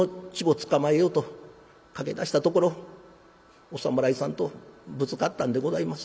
捕まえようと駆け出したところお侍さんとぶつかったんでございます。